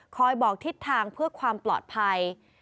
บอกทิศทางเพื่อความปลอดภัย